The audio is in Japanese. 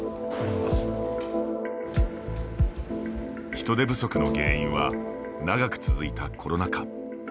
人手不足の原因は長く続いたコロナ禍。